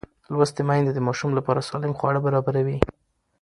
لوستې میندې د ماشوم لپاره سالم خواړه برابروي.